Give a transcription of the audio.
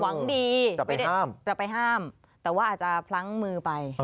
หวังดีจะไปห้ามแต่ว่าอาจจะพลั้งมือไป